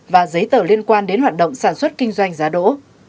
và giấy tờ liên quan đến hoạt động sản xuất kinh doanh giá đỗ